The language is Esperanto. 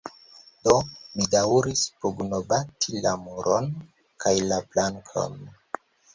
Do, mi daŭris pugnobati la muron, kaj la plankon.